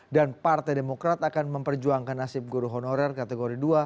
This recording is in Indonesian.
dan partai demokrat akan memperjuangkan nasib guru honorer kategori dua